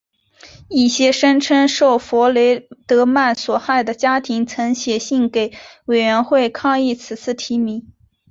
一些声称受弗雷德曼所害的家庭曾写信给委员会抗议此次提名。